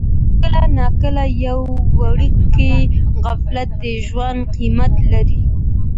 کله ناکله یو وړوکی غفلت د ژوند قیمت لري.